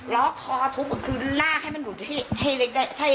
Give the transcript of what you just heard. ล้อคอทุบก็คือลากให้มันหลุดให้ให้ให้ให้ให้ให้ให้ให้